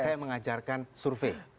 saya mengajarkan survei